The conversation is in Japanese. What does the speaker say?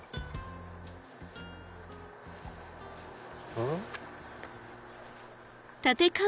うん？